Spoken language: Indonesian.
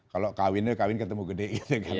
kalau kawinnya kawin ketemu gede gitu kan